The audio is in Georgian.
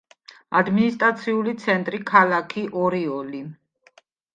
ადმინისტრაციული ცენტრი ქალაქი ორიოლი.